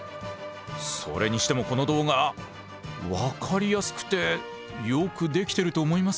それにしてもこの動画分かりやすくてよくできてると思いません？